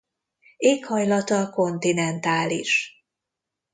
Éghajlata kontinentális.